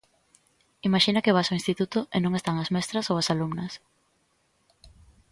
Imaxina que vas ao instituto e non están as mestras ou as alumnas.